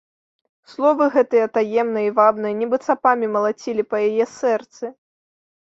Словы гэтыя, таемныя і вабныя, нібы цапамі малацілі па яе сэрцы.